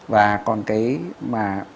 và còn cái mà